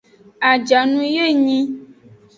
Ajanu enyi.